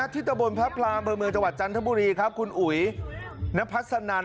ทิศบนพระพลาบเผอเมืองจังหัวจันทบุรีของคุณอุ๋ยนัพพระมนัส